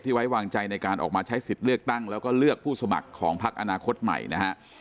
ไว้วางใจในการออกมาใช้สิทธิ์เลือกตั้งแล้วก็เลือกผู้สมัครของพักอนาคตใหม่นะฮะ